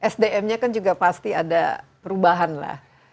sdm nya kan juga pasti ada perubahan lah